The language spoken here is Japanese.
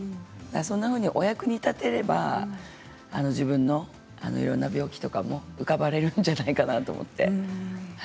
そんなふうにお役に立てれば自分のいろんな病気とかも浮かばれるんじゃないかなと思って。